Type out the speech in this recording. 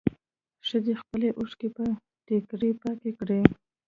ښځې خپلې اوښکې په ټيکري پاکې کړې.